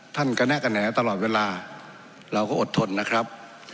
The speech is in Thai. กระแนะกระแหนตลอดเวลาเราก็อดทนนะครับ